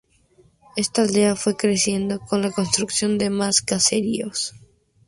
Esta aldea fue creciendo con la construcción de más caseríos.